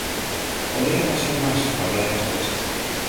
Allinnich as it moast foar de lêslist.